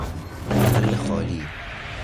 محل خالی